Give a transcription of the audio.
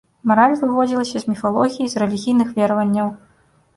Мараль выводзілася з міфалогіі, з рэлігійных вераванняў.